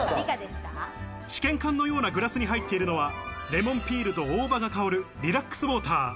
試験管のようなグラスに入っているのは、レモンピールと大葉が香るリラックスウオーター。